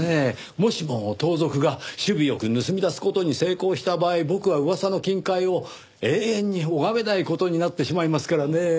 もしも盗賊が首尾よく盗み出す事に成功した場合僕は噂の金塊を永遠に拝めない事になってしまいますからねぇ。